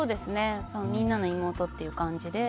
みんなの妹という感じで。